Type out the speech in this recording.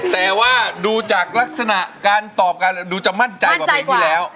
แต่ว่าดูจากลักษณะการตอบกันดูจะมั่นใจกว่าเพลงที่แล้ว